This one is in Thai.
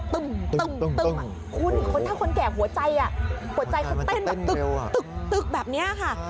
คนเท่าคนแก่หัวใจหัวใจเขาเต้นแบบตึกแบบนี้ค่ะ